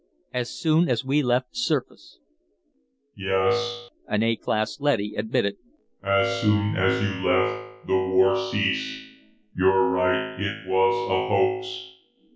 As soon as we left the surface " "Yes," an A class leady admitted. "As soon as you left, the war ceased. You're right, it was a hoax.